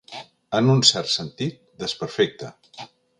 En un cert sentit, desperfecte.